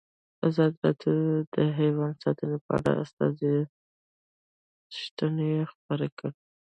ازادي راډیو د حیوان ساتنه په اړه د استادانو شننې خپرې کړي.